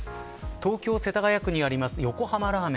東京、世田谷区にある横浜ラーメン